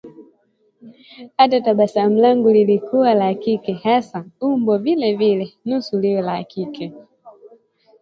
Hata tabasamu langu lilikuwa la kike hasa! Umbo vilevile nusura liwe la kike